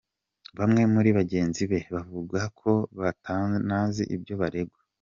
Bamwe muri bagenzi be bakavuga ko batanazi ibyo baregwa.